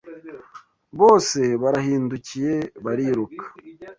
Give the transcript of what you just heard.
bose barahindukiye bariruka